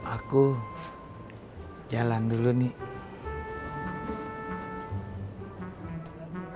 aku jalan dulu nih